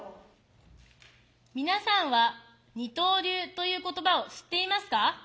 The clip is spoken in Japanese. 皆さんは二刀流という言葉を知っていますか？